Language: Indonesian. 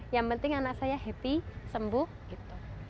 yang penting anak saya happy sembuh gitu